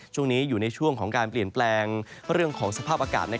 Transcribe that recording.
ช่วงนี้อยู่ในช่วงของการเปลี่ยนแปลงเรื่องของสภาพอากาศ